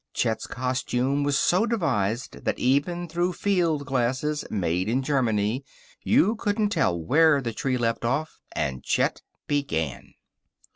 Chet's costume was so devised that even through field glasses (made in Germany) you couldn't tell where tree left off and Chet began.